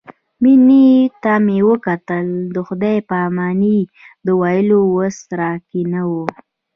مينې ته مې وکتل د خداى پاماني د ويلو وس راکښې نه و.